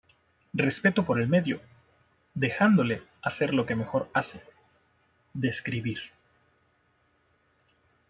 Respeto por el medio, dejándole hacer lo que mejor hace, describir.